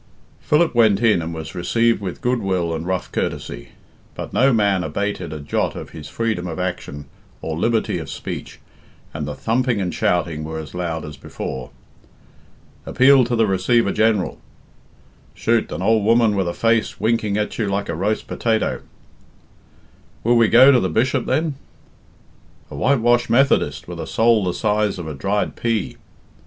Philip went in and was received with goodwill and rough courtesy, but no man abated a jot of his freedom of action or liberty of speech, and the thumping and shouting were as loud as before. "Appeal to the Receiver General." "Chut! an ould woman with a face winking at you like a roast potato." "Will we go to the Bishop, then?" "A whitewashed Methodist with a soul the size of a dried pea."